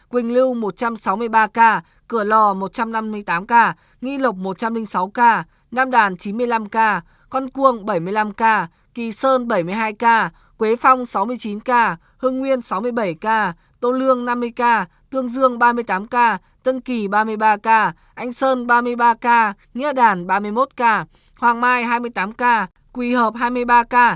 quỳnh lưu một trăm sáu mươi ba ca cửa lò một trăm năm mươi tám ca nghị lộc một trăm linh sáu ca nam đàn chín mươi năm ca con cuông bảy mươi năm ca kỳ sơn bảy mươi hai ca quế phong sáu mươi chín ca hương nguyên sáu mươi bảy ca tô lương năm mươi ca tương dương ba mươi tám ca tân kỳ ba mươi ba ca anh sơn ba mươi ba ca nghĩa đàn ba mươi một ca hoàng mai hai mươi tám ca quỳ hợp hai mươi ba ca